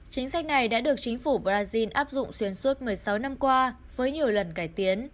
chính sách này đã được chính phủ brazil áp dụng xuyên suốt một mươi sáu năm qua với nhiều lần cải tiến